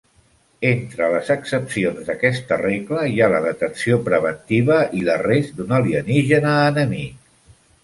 Entre les excepcions d'aquesta regla hi ha la detenció preventiva i l'arrest d'un alienígena enemic.